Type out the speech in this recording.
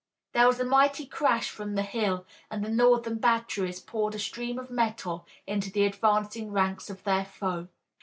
There was a mighty crash from the hill and the Northern batteries poured a stream of metal into the advancing ranks of their foe.